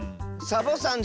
サボさん？